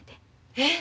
えっ？